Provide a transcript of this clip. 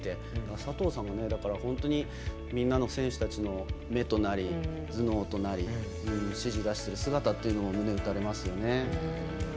佐藤さんがみんなの選手たちの目となり頭脳となり、指示を出している姿っていうのも胸打たれますよね。